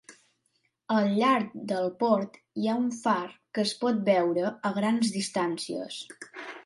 Al llarg del port hi ha un far que es pot veure a grans distàncies.